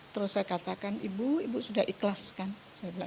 terus saya katakan ibu ibu sudah telpon saya tidak ada lagi